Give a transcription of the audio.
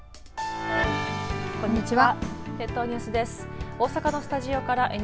こんにちは。